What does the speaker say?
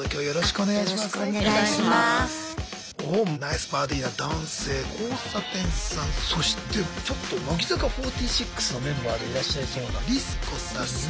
おおナイスバディーな男性交差点さんそしてちょっと乃木坂４６のメンバーでいらっしゃいそうなリス子さんに。